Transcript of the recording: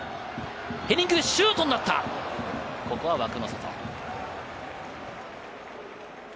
ヘディング、シュートになった、ここは枠の外。